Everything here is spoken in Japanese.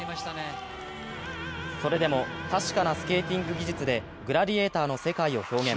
それでも確かなスケーティング技術で「グラディエーター」の世界を表現。